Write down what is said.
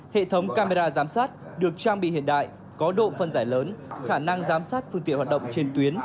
hệ thống camera giám sát được trang bị hiện đại có độ phân giải lớn khả năng giám sát phương tiện hoạt động trên tuyến